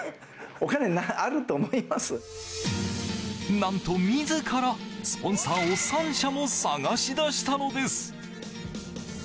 何と自らスポンサーを３社も探し出したのです。